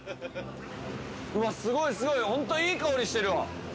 うわすごいすごいホントいい香りしてるわ。